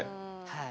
はい。